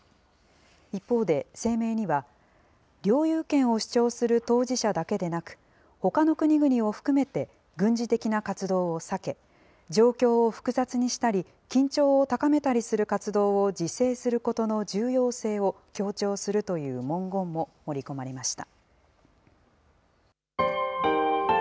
一方で声明には、領有権を主張する当事者だけでなく、ほかの国々を含めて軍事的な活動を避け、状況を複雑にしたり、緊張を高めたりする活動を自制することの重要性を強調するという文言も盛り込まれました。